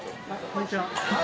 こんにちは。